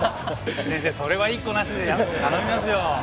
先生それは言いっこなしで頼みますよ！